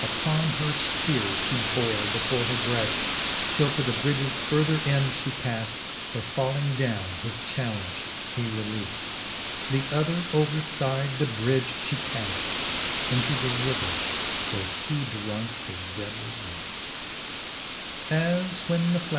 Upon her fpeare {he bore before her breaft, Till to the bridges further end fhe pafl, Where falling downe, his challenge he releafl : The other over fide the bridge fhe cafl Into the river, where he drunke his deadly laft.